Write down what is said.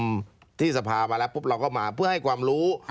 ที่สภาพอบเรียบร้อยเราก็มาแปบปุ๊บเราก็มาเพื่อให้ความรู้